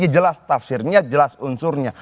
jelas tafsirnya jelas unsurnya